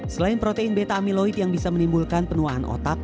selain protein beta amiloid yang bisa menimbulkan penuaan otak